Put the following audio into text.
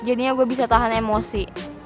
jadinya gue bisa tahan emosi